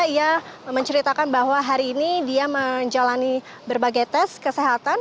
ia menceritakan bahwa hari ini dia menjalani berbagai tes kesehatan